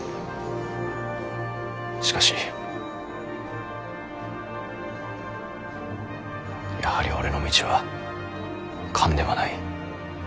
しかしやはり俺の道は官ではない。